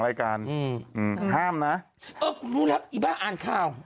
เอ่อกูรู้แล้วอีบ้าอ่านข้าว